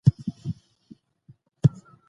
احمد کتاب واخیستی او په ډېر شوق یې ولوستی.